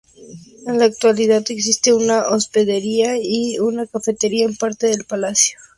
En la actualidad, existen una hospedería y una cafetería en parte del palacio.